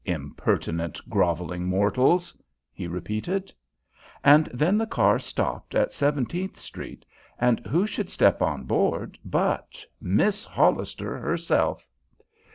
"Impertinent, grovelling mortals!" he repeated. And then the car stopped at Seventeenth Street, and who should step on board but Miss Hollister herself!